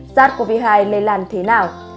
sars cov hai lây lan thế nào